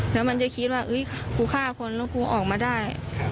แล้วมันจะคิดว่ากูฆ่าคนแล้วกูออกมาได้